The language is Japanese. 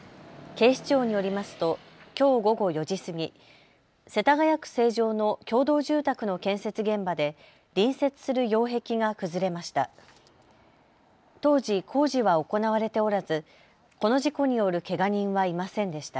警視庁によりますときょう午後４時過ぎ世田谷区成城の共同住宅の建設現場で隣接する擁壁が崩れました。